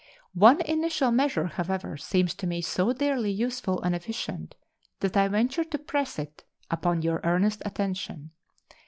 One initial measure, however, seems to me so dearly useful and efficient that I venture to press it upon your earnest attention.